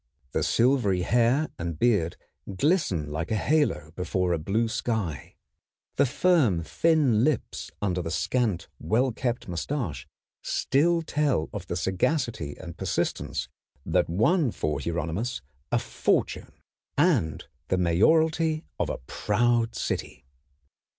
The silvery hair and beard glisten like a halo before a blue sky. The firm, thin lips under the scant, well kept mustache still tell of the sagacity and persistence that won for Hieronymus a fortune and the mayoralty of a proud city.